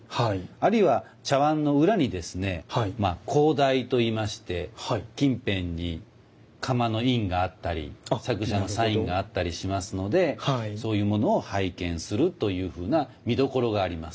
あるいは茶碗の裏にですね高台と言いまして近辺に釜の印があったり作者のサインがあったりしますのでそういうものを拝見するというふうな見どころがあります